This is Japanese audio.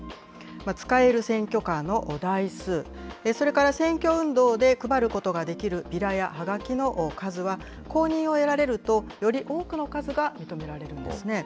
使える選挙カーの台数、それから選挙運動で配ることができるビラやはがきの数は、公認を得られると、より多くの数が認められるんですね。